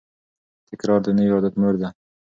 تکرار د نوي عادت مور ده.